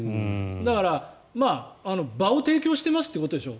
だから、場を提供してますということでしょ